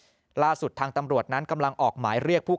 รถด้วยนะครับล่าสุดทางตำรวจนั้นกำลังออกหมายเรียกผู้